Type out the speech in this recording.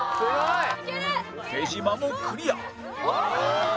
手島もクリア